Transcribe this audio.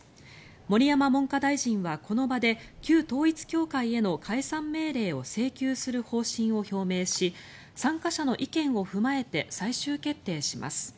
盛山文科大臣はこの場で旧統一教会への解散命令を請求する方針を表明し参加者の意見を踏まえて最終決定します。